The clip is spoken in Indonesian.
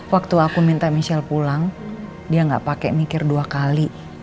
waktu aku minta michelle pulang dia nggak pakai mikir dua kali